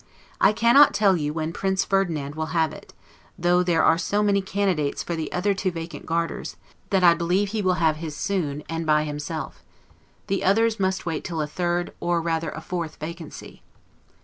I cannot tell you when Prince Ferdinand will have it; though there are so many candidates for the other two vacant Garters, that I believe he will have his soon, and by himself; the others must wait till a third, or rather a fourth vacancy.